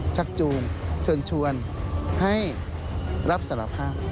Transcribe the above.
ชักจูงเชิญชวนให้รับสารภาพ